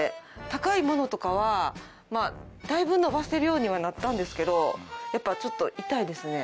高い物とかはまあだいぶ伸ばせるようにはなったんですけどやっぱちょっと痛いですね。